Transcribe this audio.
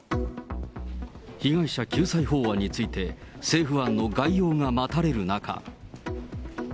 被害者救済法案について、政府案の概要が待たれる中。